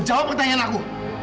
jawab pertanyaan aku